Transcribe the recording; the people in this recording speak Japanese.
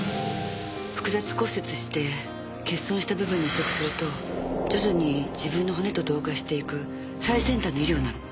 複雑骨折して欠損した部分に移植すると徐々に自分の骨と同化していく最先端の医療なの。